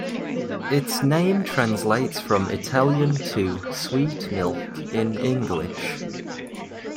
Its name translates from Italian to 'sweet milk' in English.